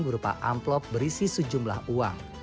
berupa amplop berisi sejumlah uang